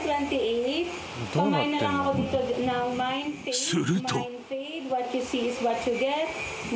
［すると］